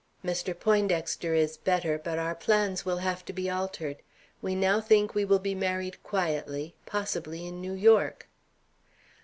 Mr. Poindexter is better, but our plans will have to be altered. We now think we will be married quietly, possibly in New York.